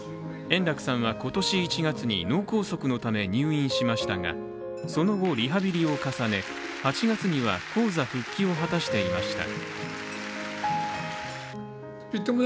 円楽さんは今年１月に脳梗塞のため入院しましたがその後、リハビリを重ね、８月には高座復帰を果たしていました。